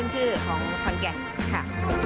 ชื่อของขอนแก่นค่ะ